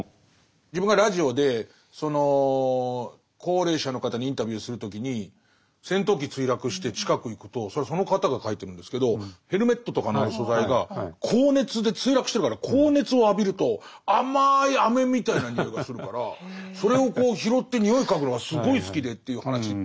自分がラジオでその高齢者の方にインタビューする時に戦闘機墜落して近く行くとそれはその方が書いてるんですけどヘルメットとかの素材が高熱で墜落してるから高熱を浴びると甘いあめみたいな匂いがするからそれをこう拾って匂い嗅ぐのがすごい好きでっていう話って。